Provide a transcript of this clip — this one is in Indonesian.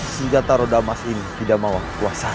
sudah taruh damas ini tidak mau kekuasaan